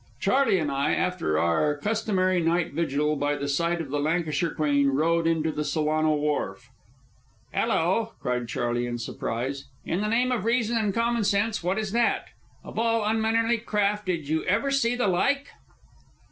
Charley and I, after our customary night vigil by the side of the Lancashire Queen, rowed into the Solano Wharf. "Hello!" cried Charley, in surprise. "In the name of reason and common sense, what is that? Of all unmannerly craft did you ever see the like?"